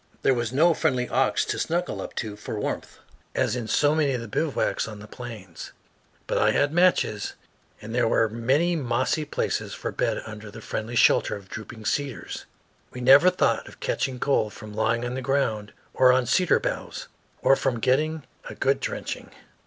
There was no friendly ox to snug up to for warmth, as in so many of the bivouacs on the plains; but I had matches, and there were many mossy places for a bed under the friendly shelter of drooping cedars. We never thought of catching cold from lying on the ground or on cedar boughs, or from getting a good drenching.